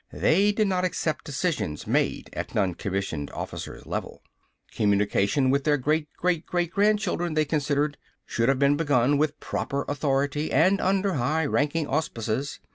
They did not accept decisions made at non commissioned officer level. Communication with their great great great grandchildren, they considered, should have been begun with proper authority and under high ranking auspices.